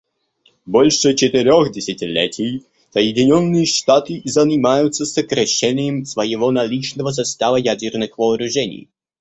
Больше четырех десятилетий Соединенные Штаты занимаются сокращением своего наличного состава ядерных вооружений.